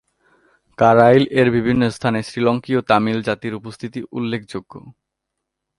কারাইকল-এর বিভিন্ন স্থানে শ্রীলঙ্কীয় তামিল জাতির উপস্থিতি উল্লেখযোগ্য।